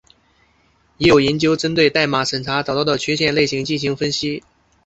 也有研究针对代码审查找到的缺陷类型进行分析。